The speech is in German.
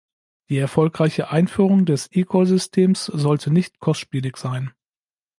Die erfolgreiche Einführung des eCall-Systems sollte nicht kostspielig sein.